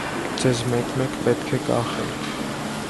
Ձեզ մեկ-մեկ պետք է կախել: